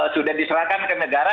sudah diserahkan ke negara